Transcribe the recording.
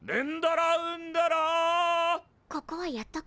ここはやっとく？